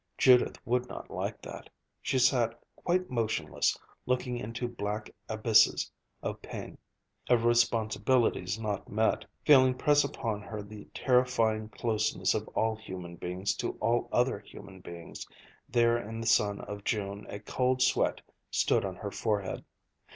Judith would not like that. She sat quite motionless, looking into black abysses of pain, of responsibilities not met, feeling press upon her the terrifying closeness of all human beings to all other human beings there in the sun of June a cold sweat stood on her forehead....